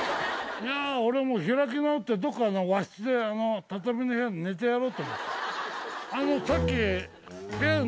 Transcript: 俺はもう開き直ってどこかの和室で畳の部屋で寝てやろうと。